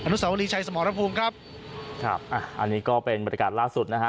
นุสาวรีชัยสมรภูมิครับครับอ่ะอันนี้ก็เป็นบรรยากาศล่าสุดนะฮะ